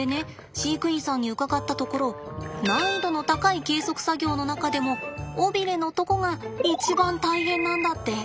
飼育員さんに伺ったところ難易度の高い計測作業の中でも尾びれのとこが一番大変なんだって。